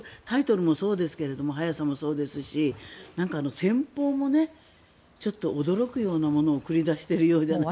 タイトルもそうですけど速さもそうですし戦法もちょっと驚くようなものを繰り出しているようで。